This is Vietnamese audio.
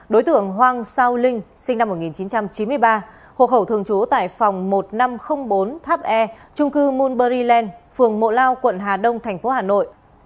đối tượng hoàng sao linh sinh năm một nghìn chín trăm chín mươi ba hộ khẩu thường trú tại phòng một nghìn năm trăm linh bốn tháp e trung cư monberryland phường mộ lao quận hà đông tp hà nội